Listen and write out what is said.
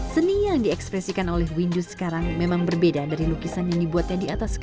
seni yang diekspresikan oleh windu sekarang memang berbeda dari lukisan yang dibuatnya di atas